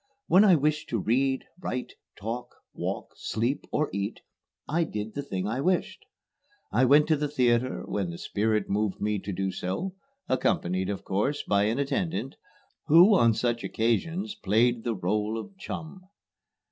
When I wished to read, write, talk, walk, sleep, or eat, I did the thing I wished. I went to the theatre when the spirit moved me to do so, accompanied, of course, by an attendant, who on such occasions played the rôle of chum.